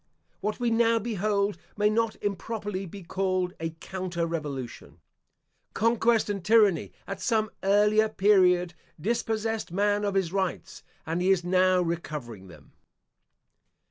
What we now behold may not improperly be called a "counter revolution." Conquest and tyranny, at some earlier period, dispossessed man of his rights, and he is now recovering them.